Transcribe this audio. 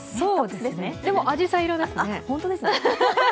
でも、あじさい色ですね。